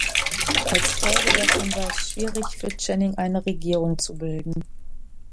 Als Folge davon war es schwierig für Canning, eine Regierung zu bilden.